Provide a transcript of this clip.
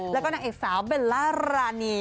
แล้วก็นางเอกสาวเบลล่ารานี